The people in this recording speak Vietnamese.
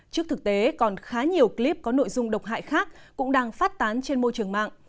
trước thực tế còn khá nhiều clip có nội dung độc hại khác cũng đang phát tán trên môi trường mạng